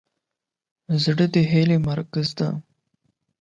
زړه د هیلې مرکز دی.